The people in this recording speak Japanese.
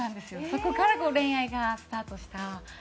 そこから恋愛がスタートした。